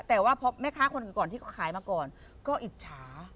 แต่ว่าพอแม่ค้าคนอื่นก่อนที่เขาขายมาก่อนก็อิจฉา